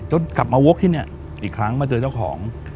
กลับมาวกที่นี่อีกครั้งมาเจอเจ้าของ